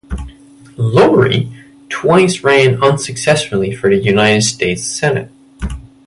Lowry twice ran unsuccessfully for the United States Senate.